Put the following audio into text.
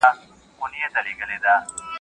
o د بېعقل جواب سکوت دئ.